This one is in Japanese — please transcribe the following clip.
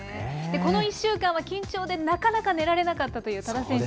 この１週間は緊張でなかなか寝られなかったという多田選手。